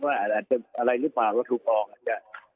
ว่าอาจจะอะไรหรือเปล่าทุกคนอาจจะ